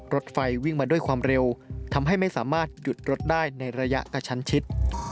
รถไฟวิ่งมาด้วยความเร็วทำให้ไม่สามารถหยุดรถได้ในระยะกระชั้นชิด